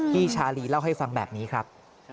ชาลีเล่าให้ฟังแบบนี้ครับ